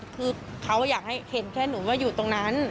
คือเขาอยากให้เห็นแค่หนูว่าอยู่ตรงนั้น